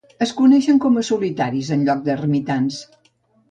Es coneixen com a "solitaris" en lloc de "ermitans".